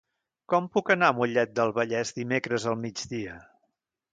Com puc anar a Mollet del Vallès dimecres al migdia?